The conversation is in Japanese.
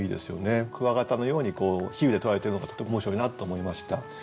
クワガタのように比喩で捉えてるのがとても面白いなと思いました。